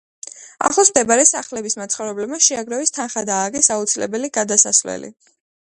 ახლოს მდებარე სახლების მაცხოვრებლებმა შეაგროვეს თანხა და ააგეს აუცილებელი გადასასვლელი.